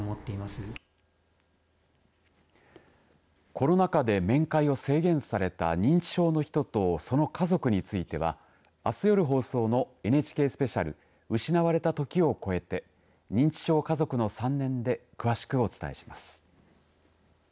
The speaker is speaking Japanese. コロナ禍で面会を制限された認知症の人とその家族についてはあす夜放送のＮＨＫスペシャル失われた時をこえて“認知症家族”の３年間で詳しくお伝えします。